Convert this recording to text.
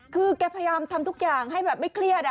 คือแกพยายามทำทุกอย่างให้แบบไม่เครียด